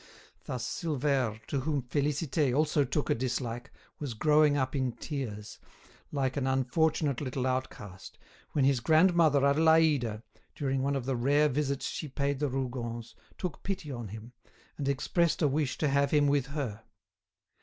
Thus Silvère, to whom Félicité also took a dislike, was growing up in tears, like an unfortunate little outcast, when his grandmother Adélaïde, during one of the rare visits she paid the Rougons, took pity on him, and expressed a wish to have him with her.